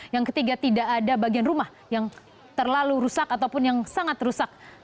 yang ketiga tidak ada bagian rumah yang terlalu rusak ataupun yang sangat rusak